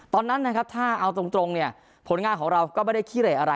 ตอนนั้นนะครับถ้าเอาตรงเนี่ยผลงานของเราก็ไม่ได้ขี้เหลอะไร